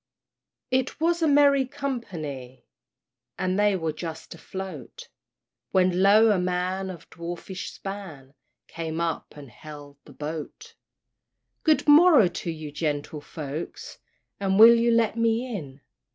It was a merry company, And they were just afloat, When lo! a man, of dwarfish span, Came up and hailed the boat. "Good morrow to ye, gentle folks, And will you let me in?